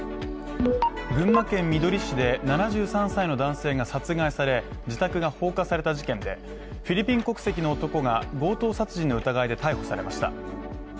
群馬県みどり市で７３歳の男性が殺害され自宅が放火された事件でフィリピン国籍の男が強盗殺人の疑いで逮捕されました。